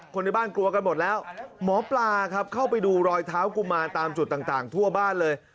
ในบ้านกลัวกันหมดแล้วหมอปลาครับเข้าไปดูรอยเท้ากุมารตามจุดต่างทั่วบ้านเลย